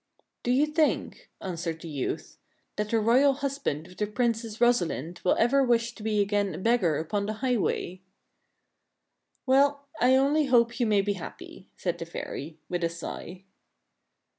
" Do you think," answered the youth, " that the royal hus band of the Princess Rosalind will ever wish to be again a beg gar upon the highway ?"" Well, I only hope you may be happy," said the fairy, with a sigh.